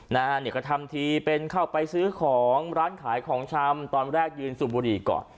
เนี่ยก็ทำทีเป็นเข้าไปซื้อของร้านขายของชำตอนแรกยืนสูบบุหรี่ก่อน